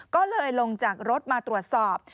ก็เลยลงจากรถมาตรวจสอบ